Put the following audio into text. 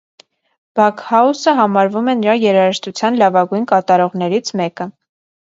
Բաքհաուսը համարվում է նրա երաժշտության լավագույն կատարողներից մեկը։